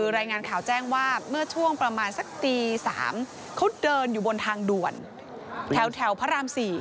รายงานข่าวแจ้งว่าเมื่อช่วงประมาณสักตี๓เขาเดินอยู่บนทางด่วนแถวพระราม๔